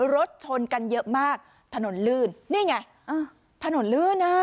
รถชนกันเยอะมากถนนลื่นนี่ไงอ่าถนนลื่นนะฮะ